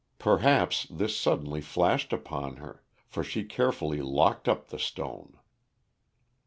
Perhaps this suddenly flashed upon her, for she carefully locked up the stone.